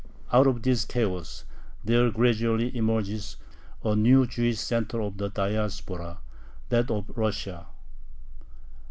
Out of this chaos there gradually emerges a new Jewish center of the Diaspora that of Russia.